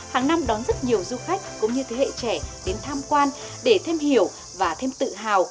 hàng năm đón rất nhiều du khách cũng như thế hệ trẻ đến tham quan để thêm hiểu và thêm tự hào